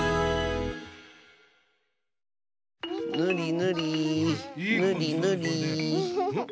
ぬりぬりぬりぬり。